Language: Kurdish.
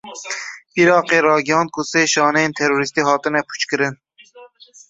Iraqê ragihand ku sê şaneyên terorîstî hatine pûçkirin.